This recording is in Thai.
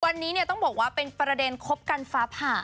วันนี้ต้องบอกว่าเป็นประเด็นคบกันฟ้าผ่า